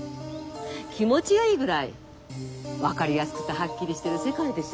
気持ちがいいぐらい分かりやすくてはっきりしてる世界でしょ。